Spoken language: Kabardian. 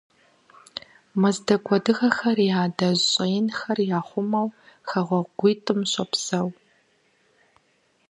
Мэздэгу адыгэхэр я адэжь щӏэинхэр яхъумэу хэгъуэгуитӏым щопсэу.